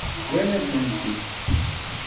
Rrant-asen-tt-id.